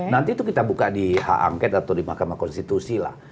nanti itu kita buka di hak angket atau di mahkamah konstitusi lah